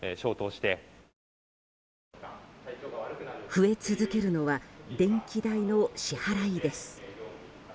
増え続けるのは電気代の支払いです。